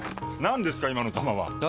何ですか今の球は！え？